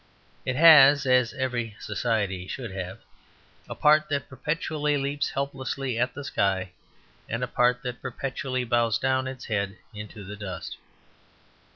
It has (as every society should have) a part that perpetually leaps helplessly at the sky and a part that perpetually bows down its head into the dust.